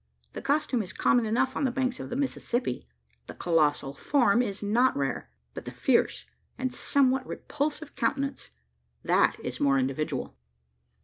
The costume is common enough on the banks of the Mississippi; the colossal form is not rare; but the fierce, and somewhat repulsive countenance that is more individual.